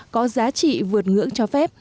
có giá trị vượt ngưỡng cho phép